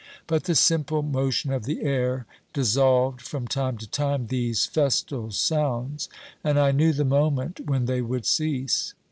But the simple motion of the air dissolved from time to time these festal sounds, and I knew the moment when they would cease.